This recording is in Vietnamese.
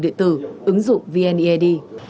địa tử ứng dụng vned